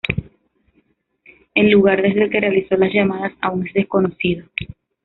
El lugar desde el que realizó las llamadas aún es desconocido.